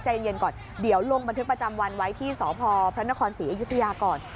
ใจเย็นก่อนเดี๋ยวลงบันทึกประจำวันไว้ที่สพพระนครศรีอยุธยาก่อน